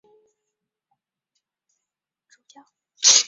现任教区主教为目前教区主教席位处于出缺状态。